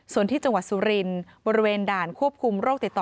ส่วนที่จังหวัดสุรินทร์บริเวณด่านควบคุมโรคติดต่อ